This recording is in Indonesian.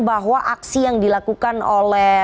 bahwa aksi yang dilakukan oleh